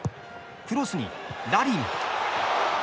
クロスに、ラリン！